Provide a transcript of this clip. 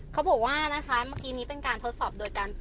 เขาบอกว่านะคะเมื่อกี้นี้เป็นการทดสอบโดยการ